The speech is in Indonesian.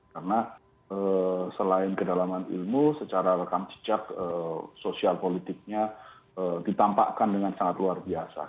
karena selain kedalaman ilmu secara rekam cicak sosial politiknya ditampakkan dengan sangat luar biasa